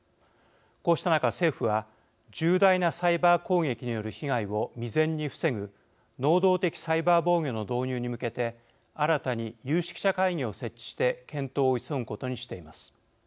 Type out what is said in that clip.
こうした中政府は重大なサイバー攻撃による被害を未然に防ぐ能動的サイバー防御の導入に向けて新たに有識者会議を設置して検討を急ぐことにしています。